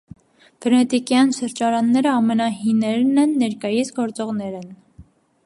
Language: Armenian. Վենետիկեան սրճարանները ամենահիներն են ներկայիս գործողներէն։